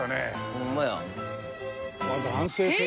ホンマや。